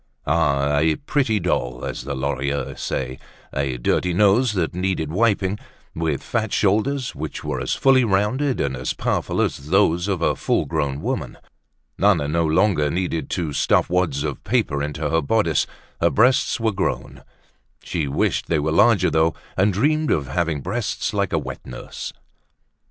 Ah! a pretty doll, as the Lorilleuxs say, a dirty nose that needed wiping, with fat shoulders, which were as fully rounded and as powerful as those of a full grown woman. Nana no longer needed to stuff wads of paper into her bodice, her breasts were grown. She wished they were larger though, and dreamed of having breasts like a wet nurse.